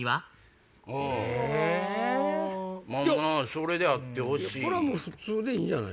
まぁそれであってほしい。